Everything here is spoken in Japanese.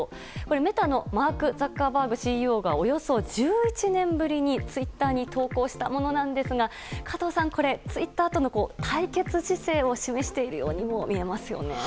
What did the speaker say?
メタのマーク・ザッカーバーグＣＥＯがおよそ１１年ぶりにツイッターに投稿したものですが加藤さん、これツイッターとの対決姿勢を示しているようにも見えますよね。